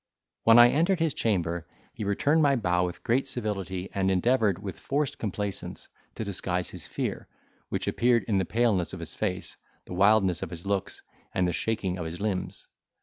When I entered his chamber, he returned my bow with great civility, and endeavoured, with forced complaisance, to disguise his fear, which appeared in the paleness of his face, the wildness of his looks, and the shaking of his limbs.